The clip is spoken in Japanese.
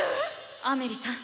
⁉アメリさん